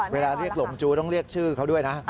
เวลาเรียกหลงจูต้องเรียกชื่อเขาด้วยนะ